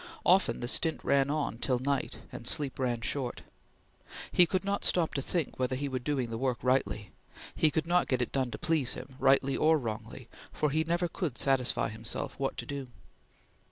Often the stint ran on, till night and sleep ran short. He could not stop to think whether he were doing the work rightly. He could not get it done to please him, rightly or wrongly, for he never could satisfy himself what to do.